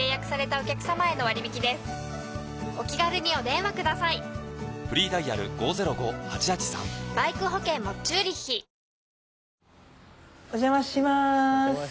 お邪魔します。